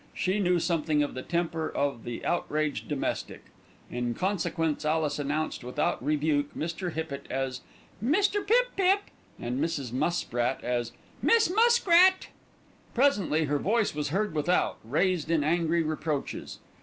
She knew something of the temper of the outraged domestic. In consequence Alice announced without rebuke Mr. Hippitt as "Mr. Pip Pip," and Mrs. Muspratt as "Miss Musk Rat." Presently her voice was heard without raised in angry reproaches.